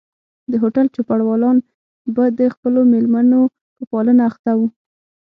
د هوټل چوپړوالان به د خپلو مېلمنو په پالنه اخته وو.